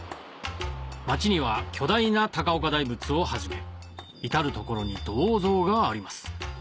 町には巨大な高岡大仏をはじめ至る所に銅像があります